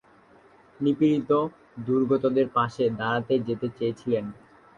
নিপীড়িত, দুর্গতদের পাশে দাঁড়াতে যেতে চেয়েছিলেন।